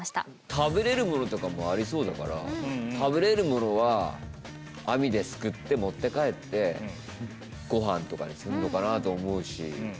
食べれるものとかもありそうだから食べれるものは網ですくって持って帰ってご飯とかにするのかなと思うしうん